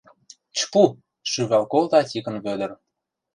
— Чпу! — шӱвал колта Тикын Вӧдыр.